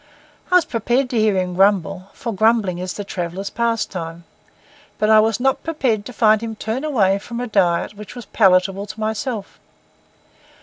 I was prepared to hear him grumble, for grumbling is the traveller's pastime; but I was not prepared to find him turn away from a diet which was palatable to myself.